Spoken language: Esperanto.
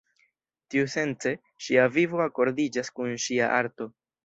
Tiusence, ŝia vivo akordiĝas kun ŝia arto.